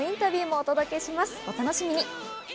お楽しみに。